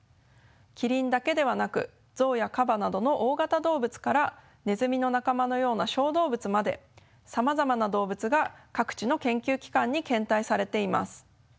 キリンだけではなくゾウやカバなどの大型動物からネズミの仲間のような小動物までさまざまな動物が各地の研究機関に献体されています。